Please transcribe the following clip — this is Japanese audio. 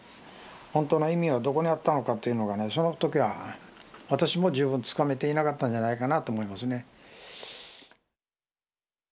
本当の意味はどこにあったのかというのがねその時は私も十分つかめていなかったんじゃないかなと思いますね。